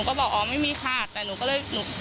เขาถามหนูมีเบียร์ไหมหนูก็บอกไม่มีค่ะ